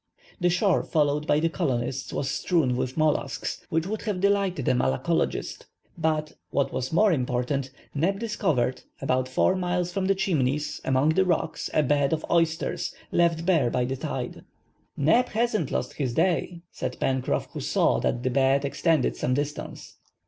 The shore followed by the colonists was strewn with mollusks, which would have delighted a malacologist. But, what was more important, Neb discovered, about four miles from the Chimneys, among the rocks, a bed of oysters, left bare by the tide. "Neb hasn't lost his day," said Pencroff, who saw that the bed extended some distance.